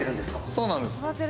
そうなんです。